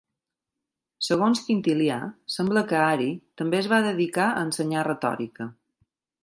Segons Quintilià, sembla que Ari també es va dedicar a ensenyar retòrica.